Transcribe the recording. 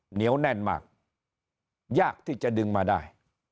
เหนียวแน่นมากยากที่จะดึงมาได้